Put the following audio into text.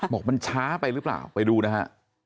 บอกมันช้าไปหรือเปล่าไปดูนะฮะ